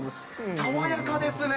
爽やかですね。